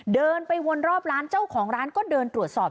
เดินไปวนรอบร้านเจ้าของร้านก็เดินตรวจสอบ